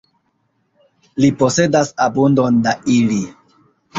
Li posedas abundon da ili.